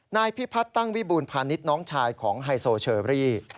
นายพิพัฒน์ตั้งวิบูรพาณิชย์น้องชายของไฮโซเชอรี่